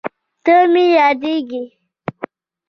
ته مې یادېږې